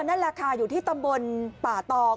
นั่นแหละค่ะอยู่ที่ตำบลป่าตอง